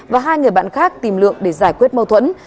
và hai người bạn khác tìm lượng để giải quyết mâu thuẫn